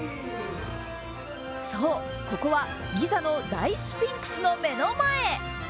そう、ここはギザの大スフィンクスの目の前。